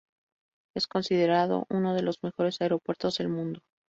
Es considerado uno de los mejores aeropuertos del mundo.